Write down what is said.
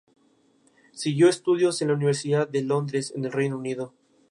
Siguió estudios en la Universidad de Londres en el Reino Unido.